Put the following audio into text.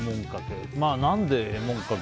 何で、えもんかけ。